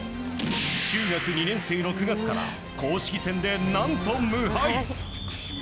中学２年生の９月から公式戦で何と無敗！